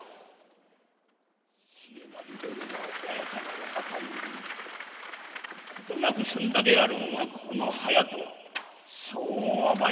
重成殿は穏やかなお方ゆえ事なく済んだであろうがこの隼人はそうは参らぬぞ。